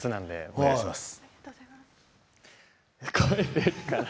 お願いします。